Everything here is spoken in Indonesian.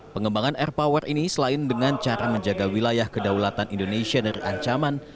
pengembangan air power ini selain dengan cara menjaga wilayah kedaulatan indonesia dari ancaman